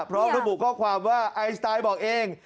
พร้อมระบุข้อความว่าไอสไตล์บอกเอง